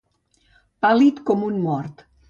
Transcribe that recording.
Pàl·lid com un mort.